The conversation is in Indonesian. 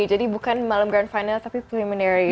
jadi bukan malam grand final tapi preliminary